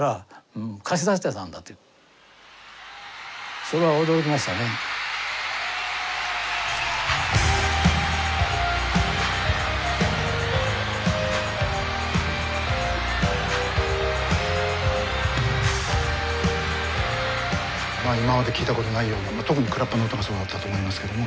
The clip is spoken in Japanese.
それはまあ今まで聴いたことのないような特にクラップの音がそうだったと思いますけども。